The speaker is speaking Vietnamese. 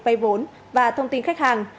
vây vốn và thông tin khách hàng